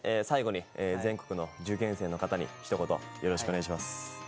最後に全国の受験生の方にひと言よろしくお願いします。